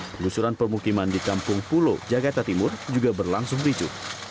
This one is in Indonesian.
penggusuran permukiman di kampung pulo jakarta timur juga berlangsung ricu